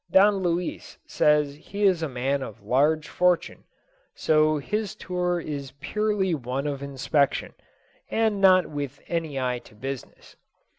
Don Luis says he is a man of large fortune, so his tour is purely one of inspection, and not with any eye to business.